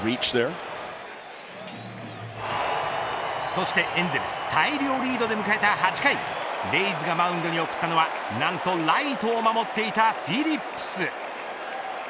そしてエンゼルス大量リードで迎えた８回レイズがマウンドに送ったのはなんとライトを守っていたフィリップス。